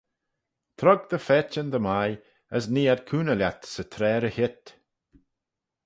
Trog dty phaitçhyn dy mie, as nee ad cooney lhiat 'sy traa ry-heet.